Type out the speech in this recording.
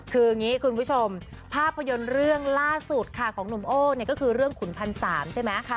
คืออย่างนี้คุณผู้ชมภาพยนตร์เรื่องล่าสุดค่ะของหนุ่มโอ้เนี่ยก็คือเรื่องขุนพันสามใช่ไหม